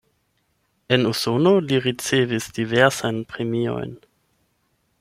En Usono li ricevis diversajn premiojn.